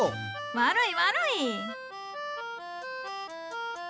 悪い悪い。